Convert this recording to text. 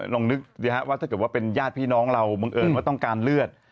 ลองนึกว่าถ้าเกิดว่าเป็นญาติพี่น้องเราบังเอิญว่าต้องการเลือด